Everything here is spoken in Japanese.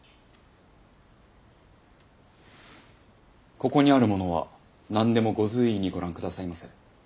ここにあるものは何でもご随意にご覧下さいませ。